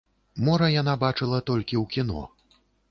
Мора яна бачыла толькі ў кіно.